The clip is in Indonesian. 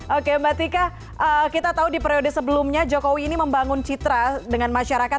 oke mbak tika kita tahu di periode sebelumnya jokowi ini membangun citra dengan masyarakat